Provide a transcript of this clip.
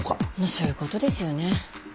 そういうことですよね。